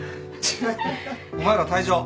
お前ら退場。